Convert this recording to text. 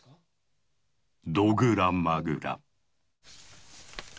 「ドグラ・マグラ」。